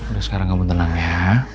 udah sekarang kamu tenang ya